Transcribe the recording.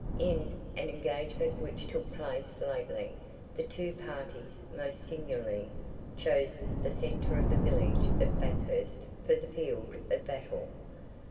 In an engagement which took place lately, the two parties most singularly chose the centre of the village of Bathurst for the field of battle.